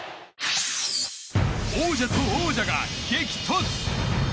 王者と王者が激突。